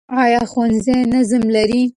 ایا ښوونځي نظم لري؟